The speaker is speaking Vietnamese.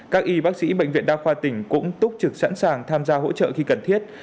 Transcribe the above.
các y bác sĩ bệnh viện đa khoa tỉnh cũng túc trực sẵn sàng tham gia hỗ trợ khi cần thiết